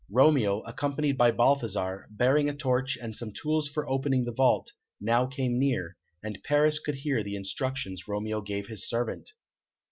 Romeo, accompanied by Balthasar, bearing a torch and some tools for opening the vault, now came near, and Paris could hear the instructions Romeo gave his servant.